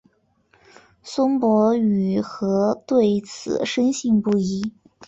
孙傅与何对此深信不疑。